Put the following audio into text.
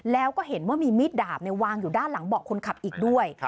แล้วก็เห็นว่ามีมีดดาบวางอยู่ด้านหลังเบาะคนขับอีกด้วย